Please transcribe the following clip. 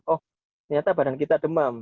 oh ternyata badan kita demam